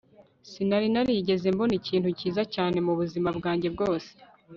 sinari narigeze mbona ikintu cyiza cyane mubuzima bwanjye bwose